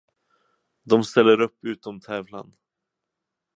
De ställer upp utom tävlan.